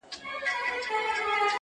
• بيا به ګورئ بيا به وينئ -